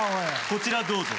こちらどうぞ。